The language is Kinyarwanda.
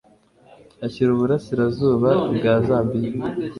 ashyira Uburasirazuba bwa Zambia.